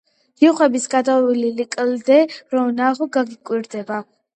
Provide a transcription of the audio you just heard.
ჯიხვების გადავლილი კლდე რო ნახო გაგიკვირდება